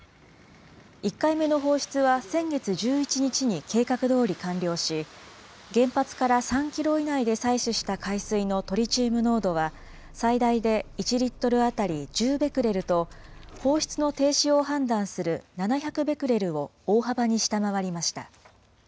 １回目の放出は先月１１日に計画どおり完了し、原発から３キロ以内で採取した海水のトリチウム濃度は、最大で１リットル当たり１０ベクレルと、放出の停止を判断する７００ベクレルを大幅に下回りました。